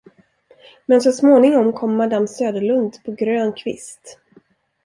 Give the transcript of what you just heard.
Men så småningom kom madam Söderlund på grön kvist.